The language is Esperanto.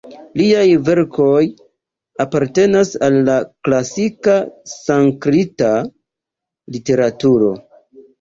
Liaj verkoj apartenas al la klasika sanskrita literaturo.